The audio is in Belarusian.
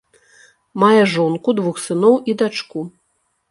Мае жонку, двух сыноў і дачку.